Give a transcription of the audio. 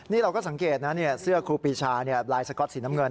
นี่เราก็สังเกตนะเสื้อครูปีชาลายสก๊อตสีน้ำเงิน